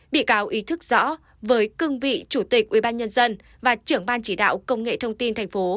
bị cáo ý thức rõ với cương vị chủ tịch ubnd và trưởng ban chỉ đạo công nghệ thông tin thành phố